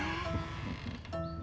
silahkan duduk bang